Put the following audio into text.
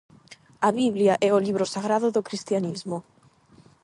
A Biblia é o libro sagrado do cristianismo.